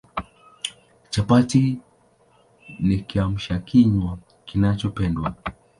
Chapati ni Kiamsha kinywa kinachopendwa